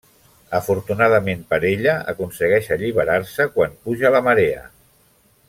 Afortunadament per ella, aconsegueix alliberar-se quan puja la marea.